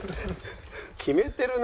決めてるね。